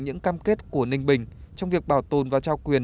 những cam kết của ninh bình trong việc bảo tồn và trao quyền